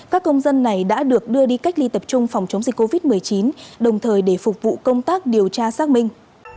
các công dân này đã được đưa đi cách ly tập trung phòng chống dịch covid một mươi chín đồng thời để phục vụ công tác điều tra xác minh